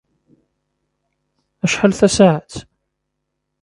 Acḥal tasaɛet?